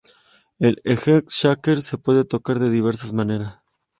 El egg shaker se puede tocar de diversas maneras.